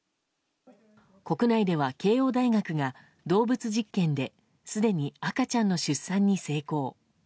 国内では慶應大学が動物実験ですでに赤ちゃんの出産に成功。